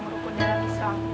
nah merupakan dalam iso